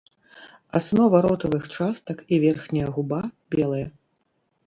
Аснова ротавых частак і верхняя губа белыя.